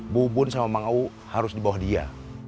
bubun sama mang uu harus di bawah dia